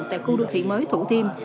tại khu đô thị mới thủ thiêm